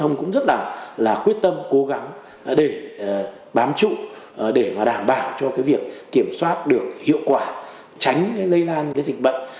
nhưng lực lượng cảnh sát giao thông cũng rất là quyết tâm cố gắng để bám trụ để mà đảm bảo cho việc kiểm soát được hiệu quả tránh lây lan dịch bệnh